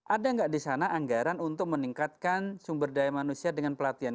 ada nggak di sana anggaran untuk meningkatkan sumber daya manusia dengan pelatihan